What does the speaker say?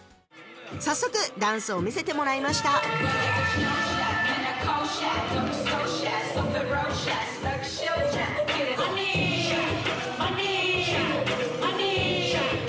早速ダンスを見せてもらいましたイェイ！